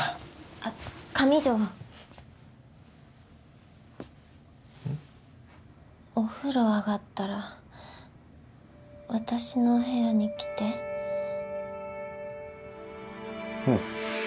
あっ上条うん？お風呂あがったら私の部屋に来てうん